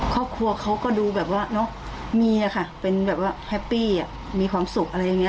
ครอบครัวเขาก็ดูแบบว่าเนอะมีค่ะเป็นแบบว่าแฮปปี้มีความสุขอะไรอย่างนี้